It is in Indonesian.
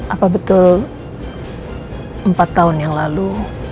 apa betul empat tahun yang lalu